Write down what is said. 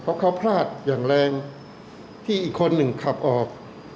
เพราะเขาพลาดอย่างแรงที่อีกคนหนึ่งขับออก